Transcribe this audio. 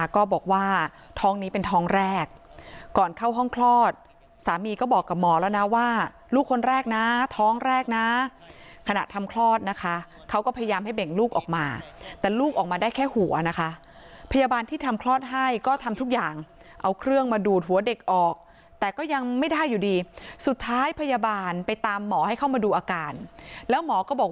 ก็บอกว่าท้องนี้เป็นท้องแรกก่อนเข้าห้องคลอดสามีก็บอกกับหมอแล้วนะว่าลูกคนแรกนะท้องแรกนะขณะทำคลอดนะคะเขาก็พยายามให้เบ่งลูกออกมาแต่ลูกออกมาได้แค่หัวนะคะพยาบาลที่ทำคลอดให้ก็ทำทุกอย่างเอาเครื่องมาดูดหัวเด็กออกแต่ก็ยังไม่ได้อยู่ดีสุดท้ายพยาบาลไปตามหมอให้เข้ามาดูอาการแล้วหมอก็บอก